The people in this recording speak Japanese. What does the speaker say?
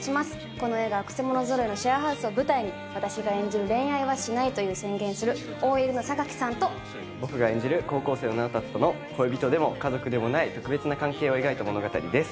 この映画はくせ者揃いのシェアハウスを舞台に私が演じる「恋愛はしない」と宣言するＯＬの榊さんと僕が演じる高校生の直達との恋人でも家族でもない特別な関係を描いた物語です